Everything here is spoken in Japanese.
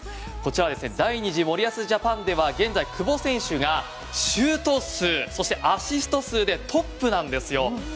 第２次森保ジャパンでは現在、久保選手がシュート数そしてアシスト数でトップなんですよ。